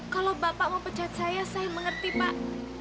kalau bapak mau pecat saya saya mengerti pak